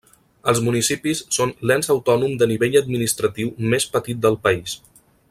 Els municipis són l'ens autònom de nivell administratiu més petit del país.